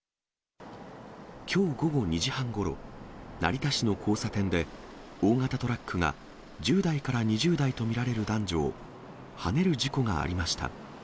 きょう午後２時半ごろ、成田市の交差点で、大型トラックが１０代から２０代と見られる男女をはねる事故がありました。